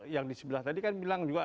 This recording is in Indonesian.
yang di sebelah tadi kan bilang juga